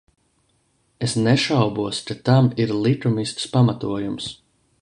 Es nešaubos, ka tam ir likumisks pamatojums.